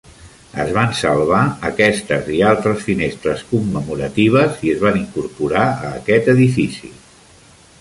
Es van salvar aquestes i altres finestres commemoratives i es van incorporar a aquest edifici.